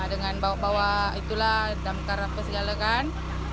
dengan bawa bawa itu lah damkar apa segala kan